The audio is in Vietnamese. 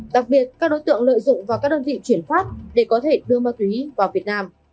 đặc biệt các đối tượng lợi dụng vào các đơn vị chuyển phát để có thể đưa ma túy vào việt nam